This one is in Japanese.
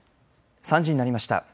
３時になりました。